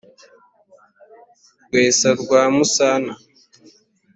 rwesa rwa musana